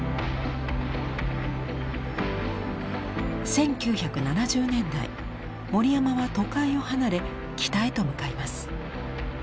１９７０年代森山は都会を離れ北へと向かいます。